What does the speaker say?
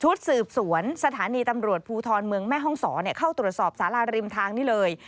สืบสวนสถานีตำรวจภูทรเมืองแม่ห้องศรเข้าตรวจสอบสาราริมทางนี้เลย